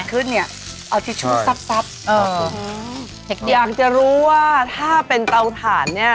ขึ้นเนี่ยเอาทิชชู่ซับอยากจะรู้ว่าถ้าเป็นเตาถ่านเนี่ย